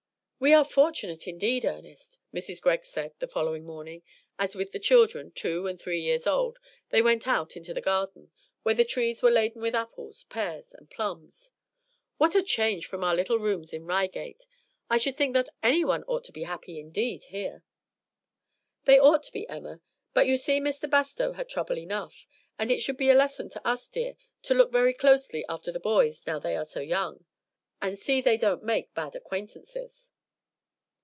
"We are fortunate, indeed, Ernest," Mrs. Greg said the following morning, as with the children, two and three years old, they went out into the garden; where the trees were laden with apples, pears, and plums. "What a change from our little rooms in Reigate. I should think that anyone ought to be happy indeed here." "They ought to be, Emma, but you see Mr. Bastow had trouble enough; and it should be a lesson to us, dear, to look very closely after the boys now they are young, and see that they don't make bad acquaintances."